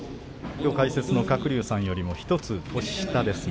きょう解説の鶴竜さんよりも１つ年下です。